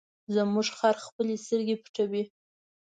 زموږ خر خپلې سترګې پټوي.